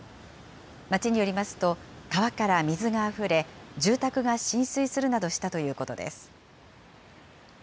町によりますと、川から水があふれ、住宅が浸水するなどしたということです。